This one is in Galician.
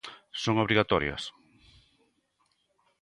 Son obrigatorias?